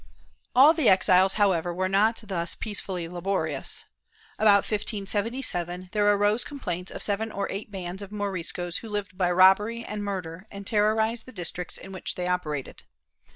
All the exiles however were not thus peacefully laborious. About 1577, there arose complaints of seven or eight bands of Moriscos who lived by robbery and murder and terrorized the districts in which they operated.